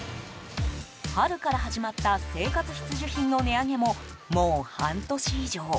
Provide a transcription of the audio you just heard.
春から始まった生活必需品の値上げももう半年以上。